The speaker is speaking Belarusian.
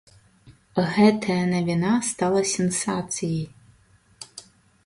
Гэтая навіна стала сенсацыяй.